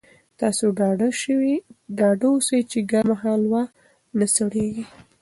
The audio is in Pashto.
تاسو ډاډه اوسئ چې ګرمه هلوا نه سړېږي.